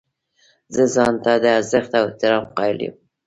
زه ځان ته د ارزښت او احترام قایل یم.